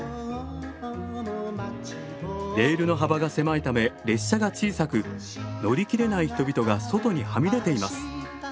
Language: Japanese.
レールの幅が狭いため列車が小さく乗り切れない人々が外にはみ出ています。